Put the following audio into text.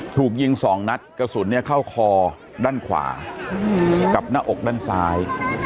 ถูกยิง๒นัดกระสุนเข้าคอด้านขวากับหน้าอกด้านซ้าย